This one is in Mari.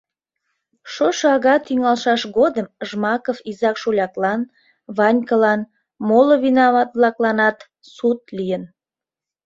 Шошо ага тӱҥалшаш годым Жмаков изак-шоляклан, Ванькалан, моло винаматан-влакланат суд лийын.